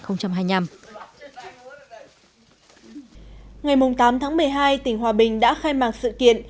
ngày tám tháng một mươi hai tỉnh hòa bình đã khai mạc sự kiện